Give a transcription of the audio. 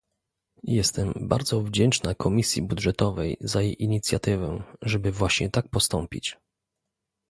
Jestem bardzo wdzięczna Komisji Budżetowej za jej inicjatywę, żeby właśnie tak postąpić